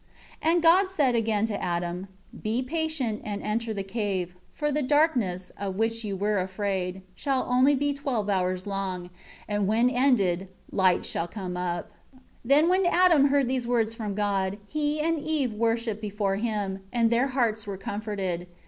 16 And God said again to Adam, "Be patient and enter the cave, for the darkness, of which you were afraid, shall only be twelve hours long; and when ended, light shall come up." 17 Then when Adam heard these words from God, he and Eve worshipped before Him, and their hearts were comforted.